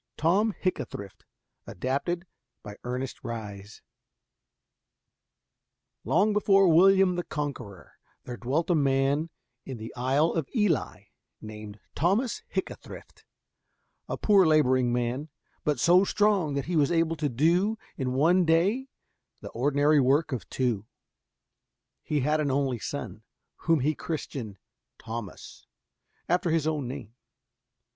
TOM HICKATHRIFT ADAPTED BY ERNEST RHYS Long before William the Conqueror, there dwelt a man in the Isle of Ely, named Thomas Hickathrift, a poor laboring man, but so strong that he was able to do in one day the ordinary work of two. He had an only son, whom he christened Thomas, after his own name.